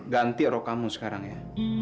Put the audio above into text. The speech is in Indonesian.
ganti rok kamu sekarang ya